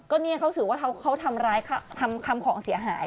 ก็นี่เขาถือว่าเขาทำของเสียหาย